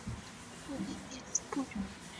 布利耶斯布吕。